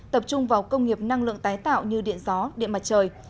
tập trung vào công nghiệp năng lượng tái tạo như điện gió điện mặt trời